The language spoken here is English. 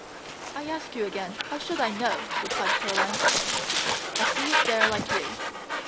"I ask you again, how should I know?" replied Caroline. "I see it there like you.